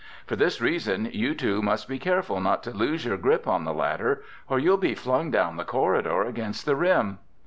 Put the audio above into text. For this reason, you two must be careful not to lose your grip on the ladder or you'll be flung down the corridor against the rim."